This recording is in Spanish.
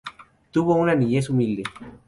Tuvo una niñez humilde.